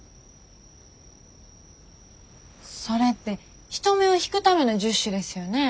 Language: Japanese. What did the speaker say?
それって人目を引くための１０首ですよね。